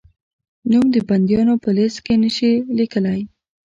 نوم د بندیانو په لېسټ کې نه شې لیکلای؟